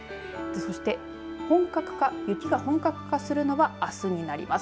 そして、雪が本格化するのは、あすになります。